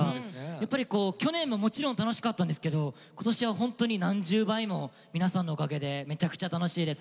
やっぱり去年ももちろん楽しかったんですけどことしはホントに何十倍も皆さんのおかげでめちゃくちゃ楽しいです。